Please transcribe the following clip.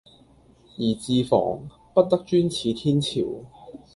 宜自防，不得專恃天朝